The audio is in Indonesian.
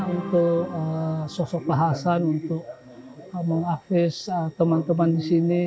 untuk sosok pak hasan untuk mengakses teman teman di sini